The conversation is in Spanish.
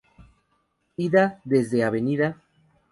Ida: Desde Av.